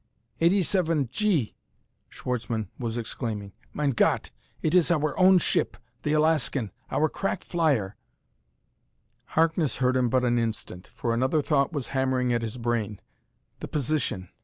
"Eighty seven G!" Schwartzmann was exclaiming, " Mein Gott! It iss our own ship, the Alaskan! Our crack flyer!" Harkness heard him but an instant, for another thought was hammering at his brain. The position!